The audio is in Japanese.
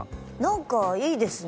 なんかいいですね。